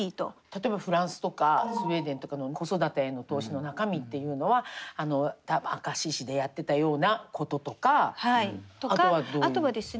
例えばフランスとかスウェーデンとかの子育てへの投資の中身っていうのは明石市でやってたようなこととかあとはどういう。